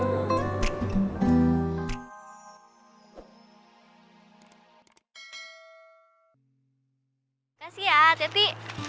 makasih ya ceti